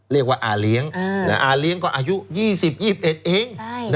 เรียกว่าอาเลี้ยงอาเลี้ยงก็อายุ๒๐๒๑เอง